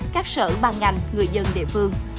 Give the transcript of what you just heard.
các sở ban ngành người dân địa phương